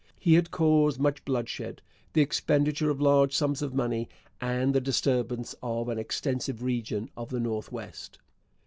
He had caused much bloodshed, the expenditure of large sums of money, and the disturbance of an extensive region of the North West.